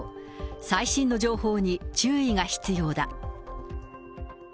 最新の情報に注意が必要だ。